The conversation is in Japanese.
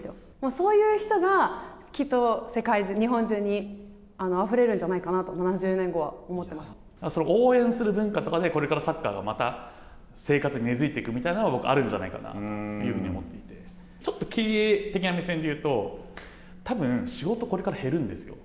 そういう人がきっと世界中、日本中にあふれるんじゃないかなと、応援する文化とかでこれからサッカーがまた生活に根づいていくみたいなのは僕はあるんじゃないかなというふうに思っていてちょっと経営的な目線で言うと、たぶん、仕事、これから減るんですよ。